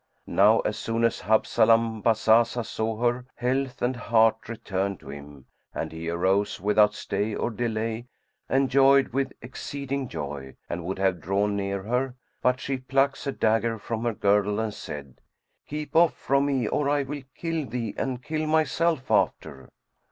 Now as soon as Habzalam Bazazah saw her, health and heart returned to him and he arose without stay or delay and joyed with exceeding joy and would have drawn near her; but she plucks a dagger from her girdle and said, "Keep off from me, or I will kill thee and kill myself after."